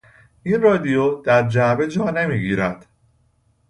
این رادیو در جعبه جا نمیگیرد.